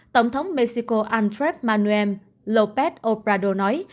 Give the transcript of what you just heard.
tổng thống mexico antrep manuel lopez obrador nói